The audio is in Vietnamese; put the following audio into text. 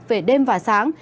về đêm và sáng